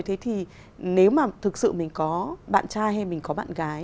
thế thì nếu mà thực sự mình có bạn trai hay mình có bạn gái